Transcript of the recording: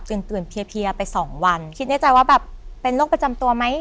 ตื่นเพียไปสองวันคิดในใจว่าแบบเป็นโรคประจำตัวไหม